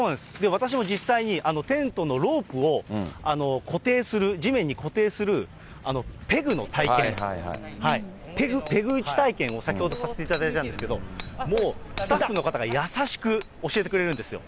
私も実際にテントのロープを固定する、地面に固定するペグの体験、ペグ打ち体験を先ほどさせていただいたんですけど、もうスタッフの方が優しく教えてくれるんですよ。